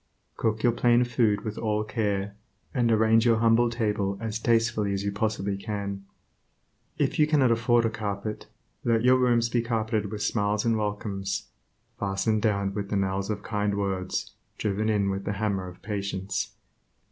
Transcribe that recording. Cook your plain food with all care, and arrange your humble table as tastefully as you possibly can. If you cannot afford a carpet, let your rooms be carpeted with smiles and welcomes, fastened down with the nails of kind words driven in with the hammer of patience.